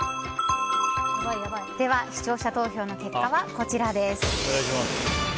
では視聴者投票の結果はこちらです。